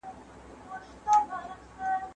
زما په نظر ازاده مطالعه خورا ګټوره ده.